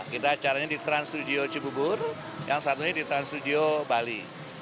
kita acaranya di trans studio cibubur yang satunya di trans studio bali